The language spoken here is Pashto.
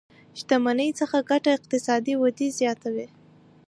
شتمنۍ څخه ګټه اقتصادي ودې زياته وي.